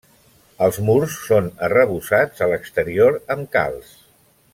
Els murs són arrebossats a l’exterior amb calç.